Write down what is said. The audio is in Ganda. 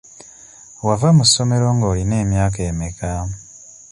Wava mu ssomero ng'olina emyaka emeka?